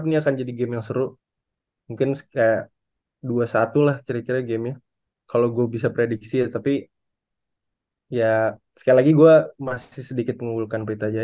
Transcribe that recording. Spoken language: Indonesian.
ini gue tadi buka